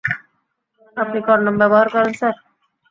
আপনি কনডম ব্যবহার করেন, স্যার?